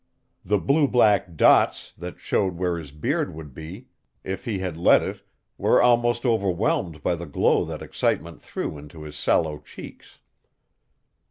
The blue black dots that showed where his beard would be if he had let it were almost overwhelmed by the glow that excitement threw into his sallow cheeks.